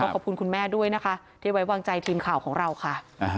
ขอบคุณคุณแม่ด้วยนะคะที่ไว้วางใจทีมข่าวของเราค่ะ